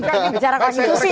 kejarakan itu sih